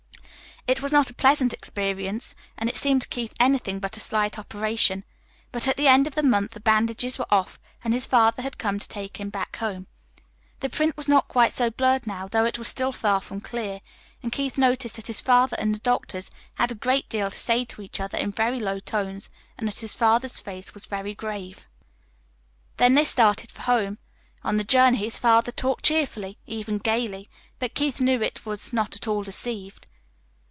It was not a pleasant experience, and it seemed to Keith anything but a "slight operation"; but at the end of the month the bandages were off, and his father had come to take him back home. The print was not quite so blurred now, though it was still far from clear, and Keith noticed that his father and the doctors had a great deal to say to each other in very low tones, and that his father's face was very grave. Then they started for home. On the journey his father talked cheerfully, even gayly; but Keith was not at all deceived.